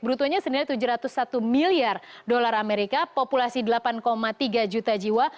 brutonya sendiri tujuh ratus satu miliar dolar amerika populasi delapan tiga juta jiwa